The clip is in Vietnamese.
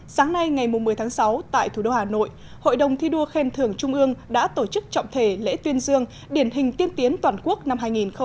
sáng nay ngày một mươi tháng sáu tại thủ đô hà nội hội đồng thi đua khen thưởng trung ương đã tổ chức trọng thể lễ tuyên dương điển hình tiên tiến toàn quốc năm hai nghìn hai mươi